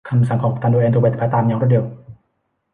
คำสั่งของกัปตันโดแอนถูกปฏิบัติตามอย่างรวดเร็ว